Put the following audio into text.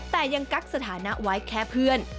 แต่ยังกักสถานะไว้แค่เพื่อน